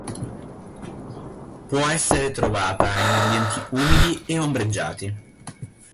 Può essere trovata in ambienti umidi e ombreggiati.